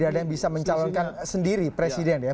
tidak ada yang bisa mencalonkan sendiri presiden ya